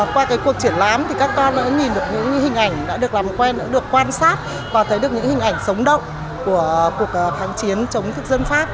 qua cuộc triển lãm thì các con đã nhìn được những hình ảnh đã được làm quen đã được quan sát và thấy được những hình ảnh sống động của cuộc kháng chiến chống thực dân pháp